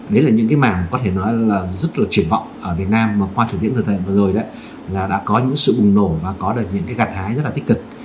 đấy là những cái màn có thể nói là rất là triển vọng ở việt nam mà qua thời điểm thực hiện vừa rồi đó là đã có những sự bùng nổ và có được những cái gạt hái rất là tích cực